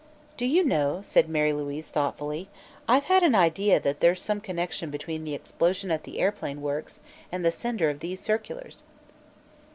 "Do you know," said Mary Louise thoughtfully, "I've had an idea that there's some connection between the explosion at the airplane works and the sender of these circulars."